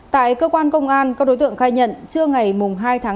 tại cơ quan công an các đối tượng khai nhận trưa ngày hai tháng bốn